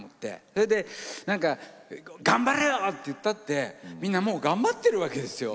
それでなんか頑張れよって言ったってみんなもう頑張ってるわけですよ。